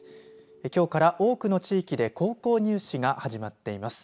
きょうから多くの地域で高校入試が始まっています。